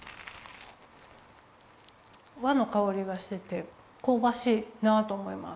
和のかおりがしててこうばしいなと思います。